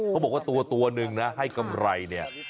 เขาบอกว่าตัวหนึ่งนะให้กำไรเนี่ย